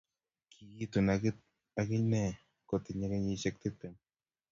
Kiikitun ak inee kotinye kenyishek tiptem